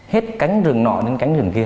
hết cánh rừng nọ đến cánh rừng kia